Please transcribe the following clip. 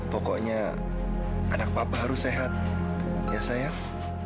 pokoknya anak papa harus sehat ya sayang